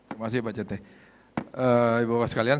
terima kasih pak jathe bapak sekalian